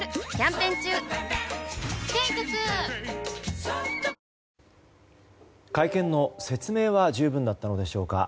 ペイトク会見の説明は十分だったのでしょうか。